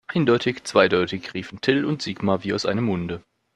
Eindeutig zweideutig, riefen Till und Sigmar wie aus einem Munde.